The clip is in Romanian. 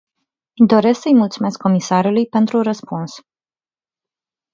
Doresc să îi mulțumesc comisarului pentru răspuns.